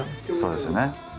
そうですよね。